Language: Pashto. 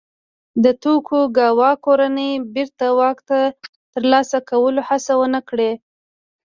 د توکوګاوا کورنۍ بېرته واک ترلاسه کولو هڅه ونه کړي.